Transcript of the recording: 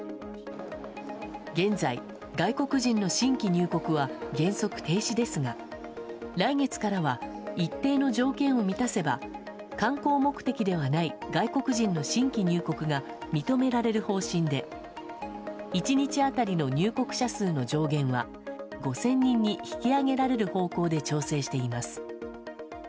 現在、外国人の新規入国は原則停止ですが来月からは一定の条件を満たせば観光目的ではない外国人の新規入国が認められる方針で１日当たりの入国者数の上限は５０００人に引き上げられる方向で調整しています。